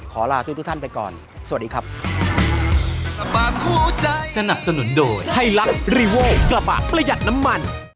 ขอลาทุกทุกท่านไปก่อนสวัสดีครับ